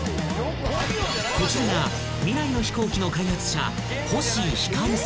［こちらが未来の飛行機の開発者］